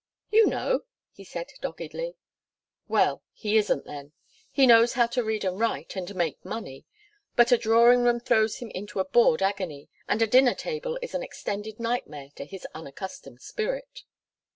"You know," he said doggedly. "Well, he isn't then. He knows how to read and write, and make money, but a drawing room throws him into a bored agony, and a dinner table is an extended nightmare to his unaccustomed spirit."